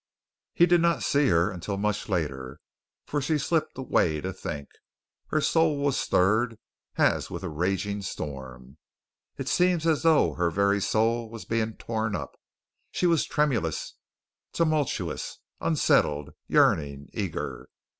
He did not see her until much later, for she slipped away to think. Her soul was stirred as with a raging storm. It seemed as though her very soul was being torn up. She was tremulous, tumultuous, unsettled, yearning, eager.